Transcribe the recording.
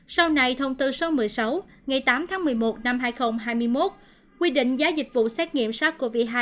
sau này thông tư số một mươi sáu ngày tám tháng một mươi một năm hai nghìn hai mươi một quy định giá dịch vụ xét nghiệm sars cov hai